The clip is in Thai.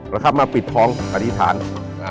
แล้วครับมาปิดท้องสัทธิธรรม